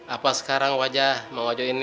apa sekarang wajah bang wajo ini